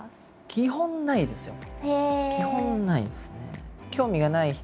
基本ないですね。